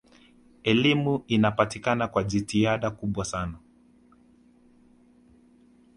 elimu inapatikana kwa jitihada kubwa sana